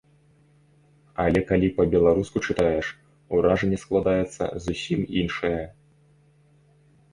Але калі па-беларуску чытаеш, уражанне складаецца зусім іншае!